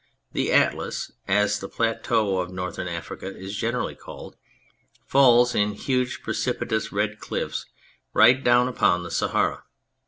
The Atlas (as the plateau of Northern Africa is generally called) falls in huge, precipitous red cliffs right down upon the Sahara.